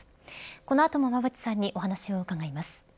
この後も馬渕さんにお話を伺います。